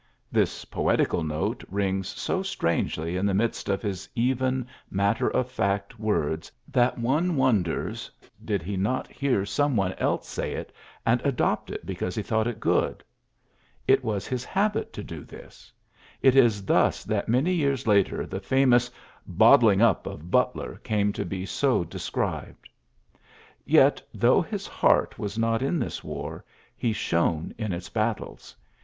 This poetical note rings so strangely in the midst of his even, mat ter of fact words that one wonders|, did he not hear some one else say it^ and adopt it because he thought it good! It was his habit to do this. It is thus that many years later the famous '^ bot tling up" of Butler came to be so de scribed. Yety though his heart was not in this war, he shone in its battles.